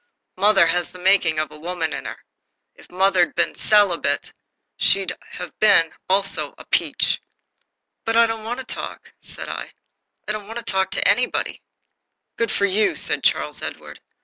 Mother has the making of a woman in her. If mother'd been a celibate, she'd have been, also, a peach." "But I don't want to talk," said I. "I don't want to talk to anybody." "Good for you," said Charles Edward.